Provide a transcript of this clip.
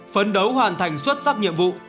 phấn đấu hoàn thành xuất sắc nhiệm vụ